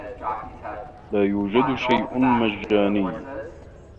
لا يوجد شيء مجّاني.